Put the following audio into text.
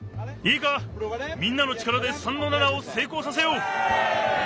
いいかみんなの力で３の７をせいこうさせよう！